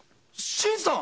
新さん！？